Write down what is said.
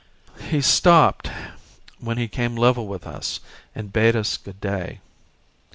He stopped when he came level with us and bade us good day.